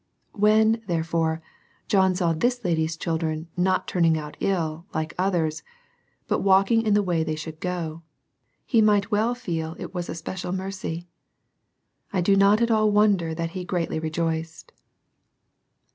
When, therefore, John saw this lady's children not turning out ill, like others, but walking in the way they should go, he might well feel it was a special mercy. I do not at all wonder that he greatly rejoiced.